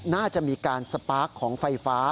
น่าจะมีการสปาร์คของไฟฟ้า